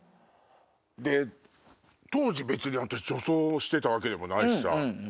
で当時別に私女装してたわけでもないしさ。